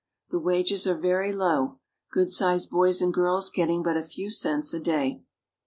The wages are very low, good sized boys and girls getting but a few cents a day.